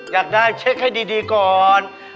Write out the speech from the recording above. อยากได้เช็คให้ดีก่อน